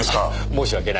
申し訳ない。